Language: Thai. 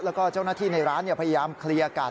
แล้วก็เจ้าหน้าที่ในร้านพยายามเคลียร์กัน